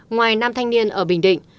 ngoài nam thanh niên ở bình định